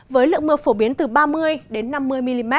với lượng mưa phổ biến từ ba mươi năm mươi mm